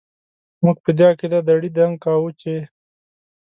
موږ په دې عقيده دړي دنګ کاوو چې ...